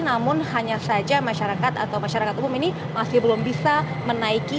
namun hanya saja masyarakat atau masyarakat umum ini masih belum bisa menaiki